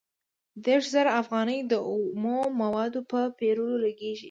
دېرش زره افغانۍ د اومه موادو په پېرلو لګېږي